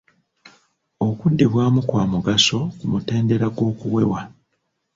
Okuddibwamu kwa mugaso ku mutendera gw'okuwewa.